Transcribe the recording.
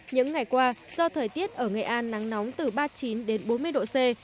những ngày qua do thời tiết ở nghệ an nắng nóng từ ba mươi chín đến bốn mươi độ c